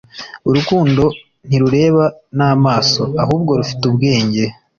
Urukundo ntirureba n'amaso, ahubwo rufite ubwenge.”